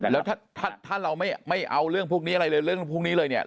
แล้วถ้าเราไม่เอาเรื่องพวกนี้อะไรเลยเรื่องพวกนี้เลยเนี่ย